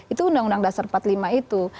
itu undang undang dasar empat puluh lima itu